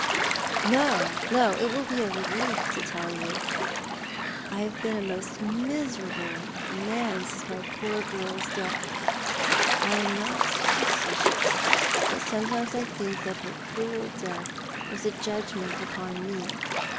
"No, no, it will be a relief to tell you. I have been a most miserable man since my poor girl's death. I am not super stitious — but sometimes I think that her cruel death was a judgment upon me.